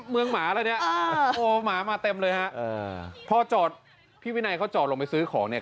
เมืองหมาอะไรอย่างนี้